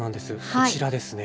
こちらですね。